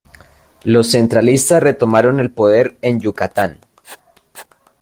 Los centralistas retomaron el poder en Yucatán.